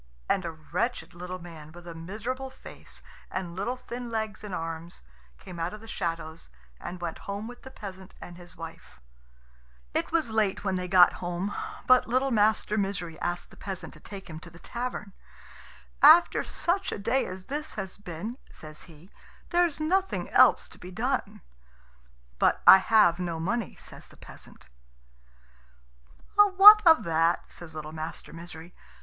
And a wretched little man, with a miserable face and little thin legs and arms, came out of the shadows and went home with the peasant and his wife. It was late when they got home, but little Master Misery asked the peasant to take him to the tavern. "After such a day as this has been," says he, "there's nothing else to be done." "But I have no money," says the peasant. [Illustration: Misery seated himself firmly on his shoulders and pulled out Handfuls of his hair.] "What of that?" says little Master Misery.